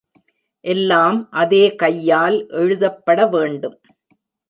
எல்லாம் அதே கையால் எழுத்தப்பட வேண்டும்.